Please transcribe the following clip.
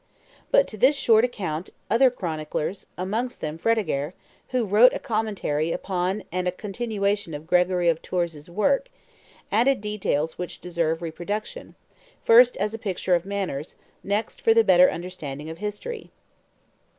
But to this short account other chroniclers, amongst them Fredegaire, who wrote a commentary upon and a continuation of Gregory of Tours' work, added details which deserve reproduction, first as a picture of manners, next for the better understanding of history.